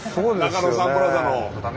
中野サンプラザの。